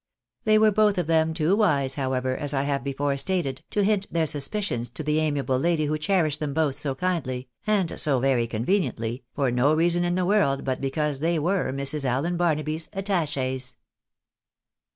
They were both of them too wise, however, as I have before stated, to hint their suspicions to the amiable lady who cherished them both so kindly (and so very con veniently) for no reason in the world but because they were Mrs. Allen Barnaby's attacMes.